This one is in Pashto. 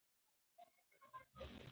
سپورت د بدن فعال ساتلو وسیله ده.